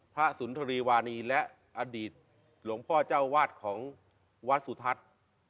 สุนทรีวานีและอดีตหลวงพ่อเจ้าวาดของวัดสุทัศน์